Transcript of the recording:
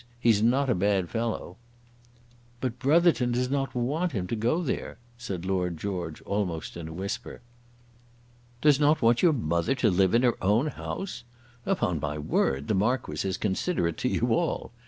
He's not a bad fellow." "But Brotherton does not want them to go there," said Lord George, almost in a whisper. "Does not want your mother to live in her own house! Upon my word the Marquis is considerate to you all!